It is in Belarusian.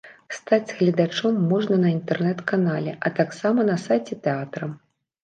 Стаць гледачом можна на інтэрнэт-канале, а таксама на сайце тэатра.